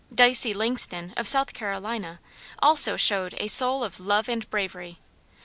Dicey Langston, of South Carolina, also showed a "soul of love and bravery."